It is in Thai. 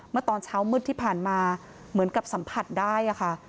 เมื่อตอนเช้ามืดที่ผ่านมาเหมือนกับสัมผัสได้ค่ะ